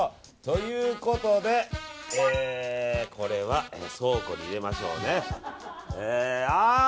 ということでこれは倉庫に入れましょうね。